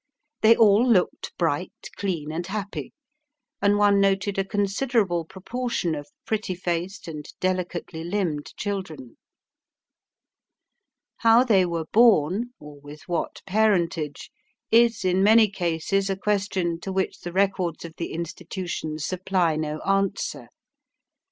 They all looked bright, clean, and happy, and one noted a considerable proportion of pretty faced and delicately limbed children. How they were born, or with what parentage, is in many cases a question to which the records of the institution supply no answer.